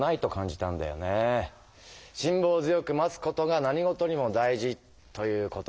しんぼう強く待つことが何事にも大事ということだね。